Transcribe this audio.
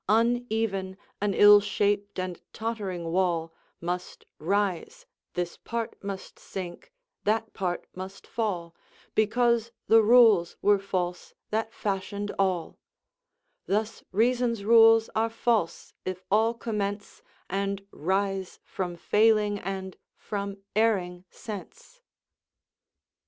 Uneven, an ill shap'd and tottering wall Must rise; this part must sink, that part must fall, Because the rules were false that fashion'd all; Thus reason's rules are false if all commence And rise from failing and from erring sense."